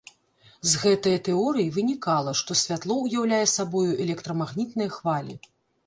З гэтае тэорыі вынікала, што святло ўяўляе сабою электрамагнітныя хвалі.